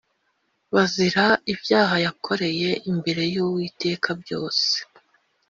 bazira ibyaha yakoreye imbere y’Uwiteka byose